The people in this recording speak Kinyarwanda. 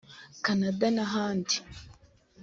Canada n’ahandi